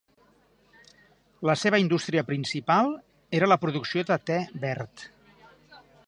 La seva indústria principal era la producció de te verd.